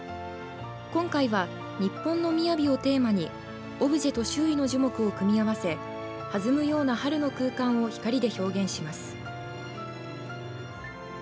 今回は日本の雅をテーマにオブジェと周囲の樹木を組み合わせはずむような春の空間を光で表現します。